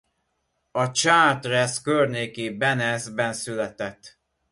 A Chartres környéki Bennes-ben született.